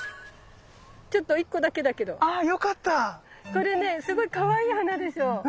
これねすごいかわいい花でしょ。